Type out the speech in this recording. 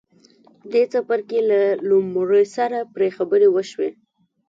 دې څپرکي له لومړي سره پرې خبرې وشوې.